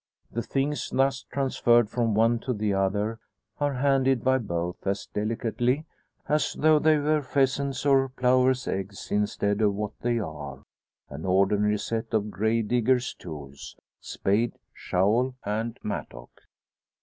The things thus transferred from one to the other are handled by both as delicately, as though they were pheasant's or plover's eggs, instead of what they are an ordinary set of grave digger's tools spade, shovel, and mattock.